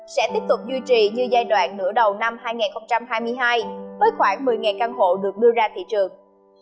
sẽ tiếp tục duy trì như giai đoạn nửa đầu năm hai nghìn hai mươi hai với khoảng một mươi căn hộ được đưa ra thị trường